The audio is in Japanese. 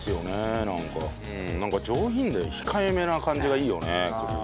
なんか上品で控えめな感じがいいよね栗。